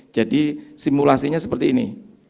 jadi simulasi nya seperti ini